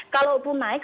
kalau pun naik